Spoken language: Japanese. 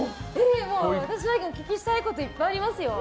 私なんか、お聞きしたいこといっぱいありますよ！